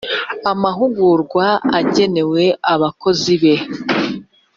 amahugurwa agenewe abakozi be